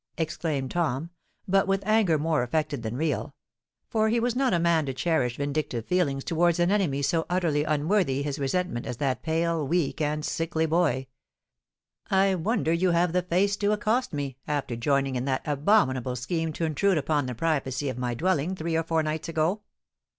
exclaimed Tom—but with an anger more affected than real, for he was not a man to cherish vindictive feelings towards an enemy so utterly unworthy his resentment as that pale, weak, and sickly boy: "I wonder you have the face to accost me, after joining in that abominable scheme to intrude upon the privacy of my dwelling three or four nights ago."